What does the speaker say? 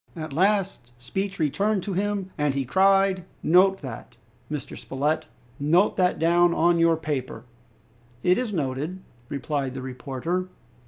At last speech returned to him, and he cried, "Note that, Mr. Spilett, note that down on your paper!" "It is noted," replied the reporter.